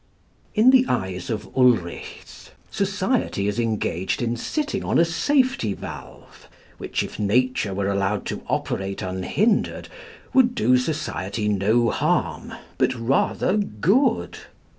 In the eyes of Ulrichs, society is engaged in sitting on a safety valve, which if nature were allowed to operate unhindered would do society no harm, but rather good.